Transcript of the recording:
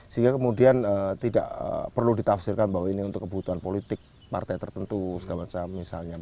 sehingga kemudian tidak perlu ditafsirkan bahwa ini untuk kebutuhan politik partai tertentu segala macam misalnya